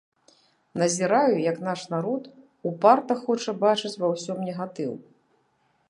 Назіраю, як наш народ упарта хоча бачыць ва ўсім негатыў.